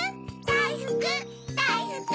だいふくだいふく！